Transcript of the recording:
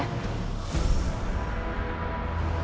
gak usah mimpi